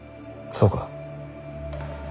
そうか。